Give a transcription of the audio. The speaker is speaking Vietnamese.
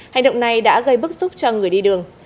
hành động này đã gây bức xúc cho người đi đường